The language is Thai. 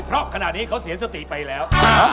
เพราะขณะนี้เขาเสียสติไปแล้ว